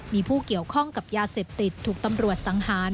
มีผู้เกี่ยวข้องกับยาเสพติดถูกตำรวจสังหาร